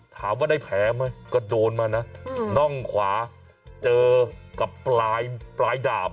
ถามว่าได้แผลไหมก็โดนมานะน่องขวาเจอกับปลายดาบ